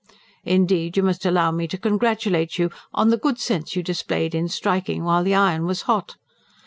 Indeed, you must allow me to congratulate you on the good sense you displayed in striking while the iron was hot.